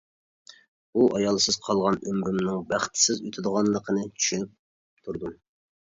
ئۇ ئايالسىز قالغان ئۆمرۈمنىڭ بەختسىز ئۆتىدىغانلىقىنى چۈشىنىپ تۇردۇم.